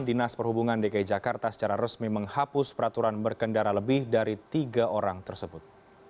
dinas perhubungan dki jakarta secara resmi menghapus peraturan berkendara lebih dari tiga orang tersebut